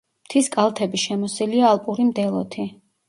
მთის კალთები შემოსილია ალპური მდელოთი.